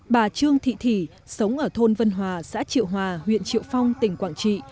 bà trương thị thủy sống ở thôn vân hòa xã triệu hòa huyện triệu phong tỉnh quảng trị